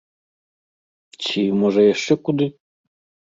Ці, можа яшчэ куды?